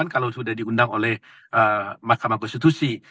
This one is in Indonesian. kalau sudah diundang oleh mahkamah konstitusi